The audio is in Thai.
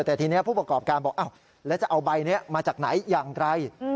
แต่ทีนี้ผู้ประกอบการบอกแล้วจะเอาใบนี้มาจากไหนอย่างไร